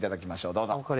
どうぞ。